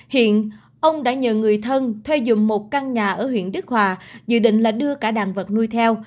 hiện ông đã nhờ người thân thuê dùng một căn nhà ở huyện đức hòa dự định là đưa cả đàn vật nuôi theo